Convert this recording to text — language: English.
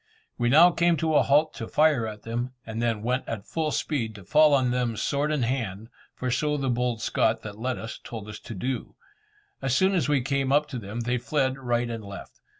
We now came to a halt to fire at them, and then went at full speed to fall on them sword in hand, for so the bold Scot that led us, told us to do. As soon as we came up to them, they fled right and left.